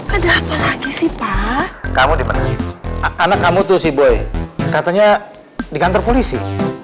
ada apa lagi sih pak kamu dipanggil anak kamu tuh si boy katanya di kantor polisi